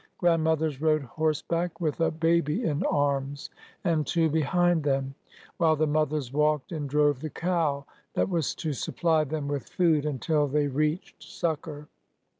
Grandmothers rode horse back, with a baby in arms and two behind them, while the mothers walked and drove the cow that was to supply them with food until they reached succor.